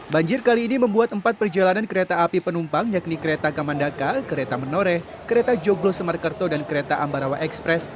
banjir kali ini membuat empat perjalanan kereta api penumpang yakni kereta kamandaka kereta menoreh kereta joglo semarkerto dan kereta ambarawa express